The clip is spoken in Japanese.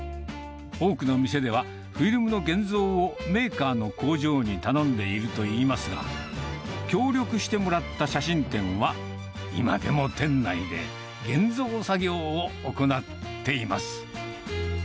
多くの店ではフィルムの現像をメーカーの工場に頼んでいるといいますが、協力してもらった写真店は、今でも店内で現像作業を行っています。